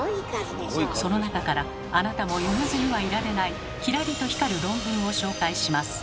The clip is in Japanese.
その中からあなたも読まずにはいられないキラリと光る論文を紹介します。